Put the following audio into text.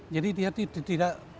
jadi dia tidak